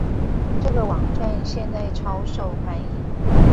這個網站現在超受歡迎